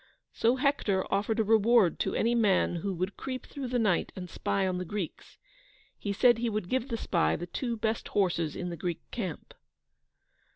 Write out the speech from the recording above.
So Hector offered a reward to any man who would creep through the night and spy on the Greeks; he said he would give the spy the two best horses in the Greek camp.